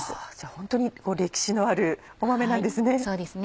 ホントに歴史のある豆なんですね。